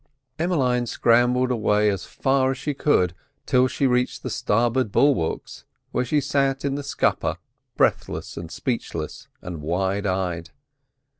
Emmeline scrambled away as far as she could, till she reached the starboard bulwarks, where she sat in the scupper, breathless and speechless and wide eyed.